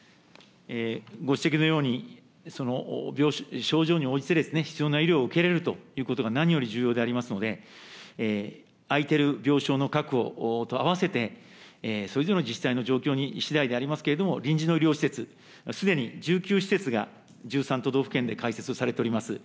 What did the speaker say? ご指摘のように、その症状に応じて、必要な医療を受けられるということが何より重要でありますので、空いてる病床の確保と併せて、それぞれの自治体の状況しだいでありますけれども、臨時の医療施設、すでに１９施設が、１３都道府県で解説をされております。